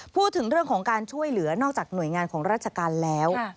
พูดถึงเรื่องของการช่วยเหลือนอกจากหน่วยงานของราชการแล้ว